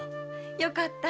よかった。